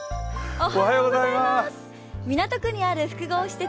港区にある複合施設